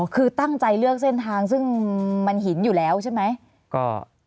คือตั้งใจเลือกเส้นทางซึ่งมันหินอยู่แล้วใช่ไหม